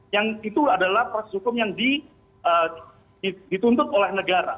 yang itu adalah proses hukum yang dituntut oleh negara